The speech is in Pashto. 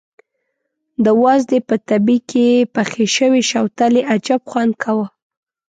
د وازدې په تبي کې پخې شوې شوتلې عجب خوند کاوه.